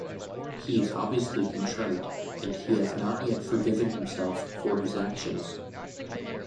He is obviously contrite and he has not yet forgiven himself for his actions.